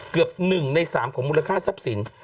เกือบ๑ใน๓ของมูลค่าทรัพย์สิน